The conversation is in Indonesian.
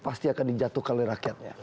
pasti akan dijatuhkan oleh rakyatnya